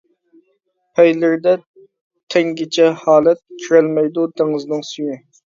پەيلىرىدە تەڭگىچە ھالەت، كېرەلمەيدۇ دېڭىزنىڭ سۈيى.